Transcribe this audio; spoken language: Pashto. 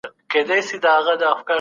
ډیپلوماټیک منځګړیتوب پر حقایقو پکار دی.